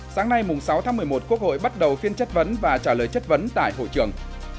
sáng nay sáu tháng một mươi một quốc hội bắt đầu phiên chất vấn và trả lời chất vấn tại hội trường